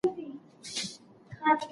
خدیجې ښه شېبه خپلې لور ته په ځیر وکتل.